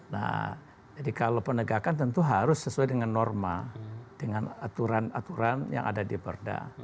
nah jadi kalau penegakan tentu harus sesuai dengan norma dengan aturan aturan yang ada di perda